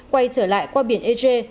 quay trở lại qua biển ege